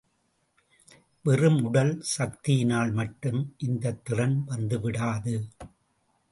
வெறும் உடல் சக்தியினால் மட்டும் இந்தத் திறன் வந்துவிடாது.